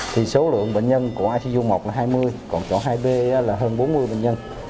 thì số lượng bệnh nhân của icu một là hai mươi còn chỗ hai b là hơn bốn mươi bệnh nhân